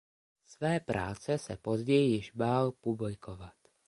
Své práce se později již bál publikovat.